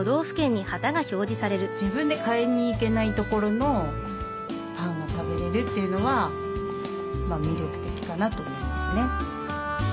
自分で買いに行けない所のパンを食べれるというのは魅力的かなと思いますね。